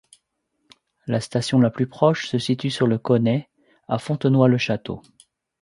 La station la plus proche se situe sur le Côney, à Fontenoy-le-Château.